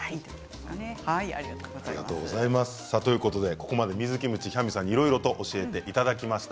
ここまで水キムチヒャンミさんにいろいろ教えていただきました。